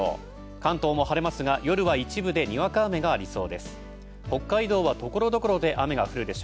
関東も晴れますが、夜は一部でにわか雨がありそうです。